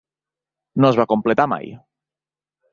No es va completar mai.